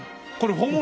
本物！